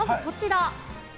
まずはこちら。